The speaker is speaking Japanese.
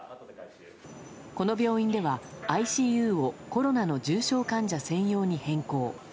この病院ではＩＣＵをコロナの重症患者専用に変更。